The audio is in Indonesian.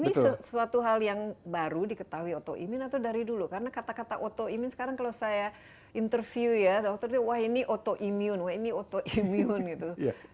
ini sesuatu hal yang baru diketahui autoimmune atau dari dulu karena kata kata autoimmune sekarang kalau saya interview ya dokter tuh wah ini autoimmune wah ini autoimmune gitu